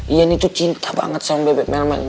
ian itu cinta banget sama bebek merman